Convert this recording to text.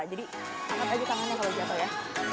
jadi angkat aja tangannya kalau jatuh ya